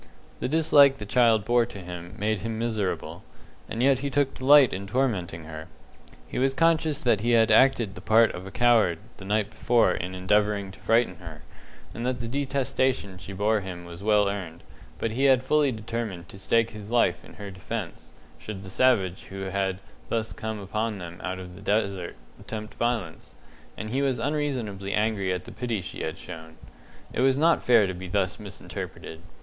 The dislike the child bore to him made him miserable, and yet he took delight in tormenting her. He was conscious that he had acted the part of a coward the night before in endeavouring to frighten her, and that the detestation she bore him was well earned; but he had fully determined to stake his life in her defence, should the savage who had thus come upon them out of the desert attempt violence, and he was unreasonably angry at the pity she had shown. It was not fair to be thus misinterpreted.